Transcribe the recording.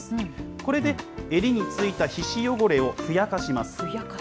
これで襟に付いた皮脂汚れをふやかします。